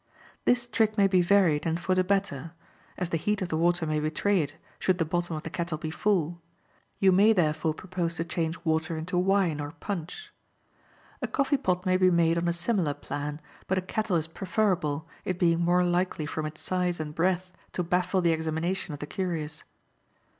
This trick may be varied, and for the better; as the heat of the water may betray it, should the bottom of the kettle be full. You may therefore propose to change water into wine or punch. A coffee pot may be made on a similar plan; but a kettle is preferable, it being more likely from its size and breadth, to baffle the examination of the curious.